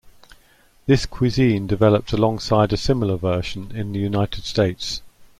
This cuisine developed alongside a similar version in the United States.